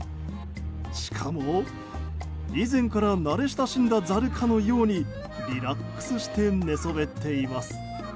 しかも、以前から慣れ親しんだザルかのようにリラックスして寝そべっています。